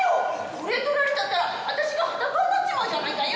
これ取られちゃったらあたしが裸になっちまうじゃないかよ！」